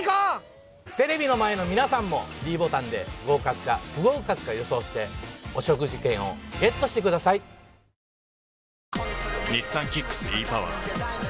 テレビの前の皆さんもｄボタンで合格か不合格か予想してお食事券をＧＥＴしてくださいは果たして？